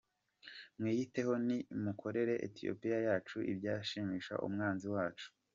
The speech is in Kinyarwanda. Mwiyiteho nti mukorere Etiyopiya yacu ibyashimisha umwanzi wacu.